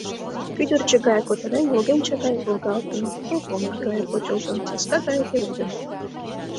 Кӱдырчӧ гае кутырен, волгенче гай волгалтын, пылпомыш гае почылтын, саска гае пеледын...